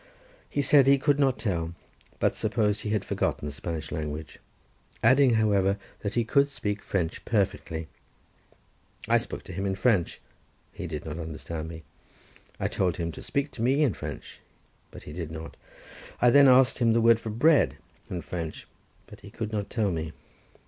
He said he could not tell, but supposed that he had forgotten the Spanish language, adding, however, that he could speak French perfectly. I spoke to him in French—he did not understand me: I told him to speak to me in French, but he did not. I then asked him the word for bread in French, but he could not tell me.